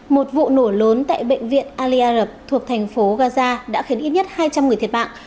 một vụ nổ lớn tại bệnh viện ali arab thuộc thành phố gaza đã khiến ít nhất hai trăm linh người thiệt mạng